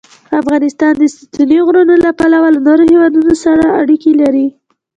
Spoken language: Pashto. افغانستان د ستوني غرونه له پلوه له نورو هېوادونو سره اړیکې لري.